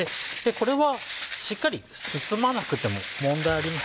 これはしっかり包まなくても問題ありません。